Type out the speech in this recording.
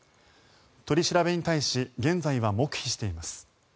取り調べに対し現在は黙秘しています。